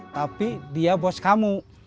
tapi dia bos kamu